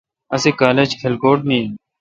اسی کالج کھلکوٹ می این